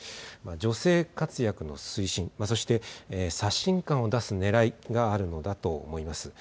女性活躍の推進、そして、刷新感を出すねらいがあるのだと思います。